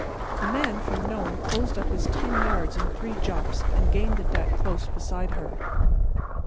The Man from Nome closed up his ten yards in three jumps and gained the deck close beside her.